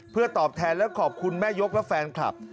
เพื่อตอบแทนและขอบคุณแม่ยกและแฟนคลับ